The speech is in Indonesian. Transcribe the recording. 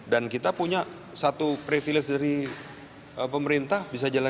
dan kita punya satu privilege dari pemerintah